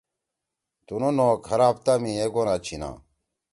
تُنُو نوک ہر ہفتہ می ایک گونا چھیِنا۔